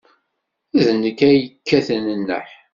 D nekk ay yekkaten nneḥ.